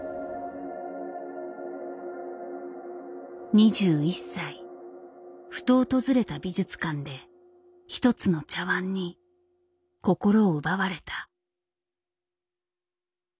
２１歳ふと訪れた美術館で一つの茶碗に心を奪われた。